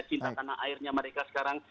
cinta tanah airnya mereka sekarang